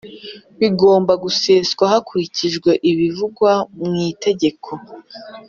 Biigomba guseswa hakurikijwe ibivugwa mu Itegeko